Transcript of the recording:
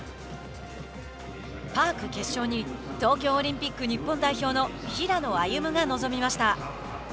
パーク決勝に東京オリンピック日本代表の平野歩夢が臨みました。